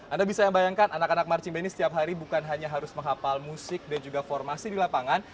anda bisa yang bayangkan anak anak marching band ini setiap hari bukan hanya harus menghapal musik dan juga formasi di lapangan